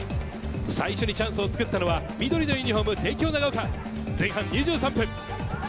最初にチャンスを作ったのは緑のユニホーム、帝京長岡、前半２３分。